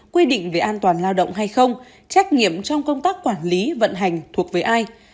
quy định về an toàn lao động hay không trách nhiệm trong công tác quản lý vận hành thuộc với ai